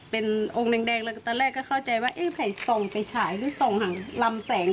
เป็นองค์แดงแล้วก็ตอนแรกก็เข้าใจว่าเอ๊ะไผ่ส่องไฟฉายหรือส่องหางลำแสง